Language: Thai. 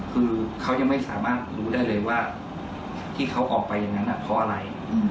คือเขายังไม่สามารถรู้ได้เลยว่าที่เขาออกไปอย่างนั้นเพราะอะไร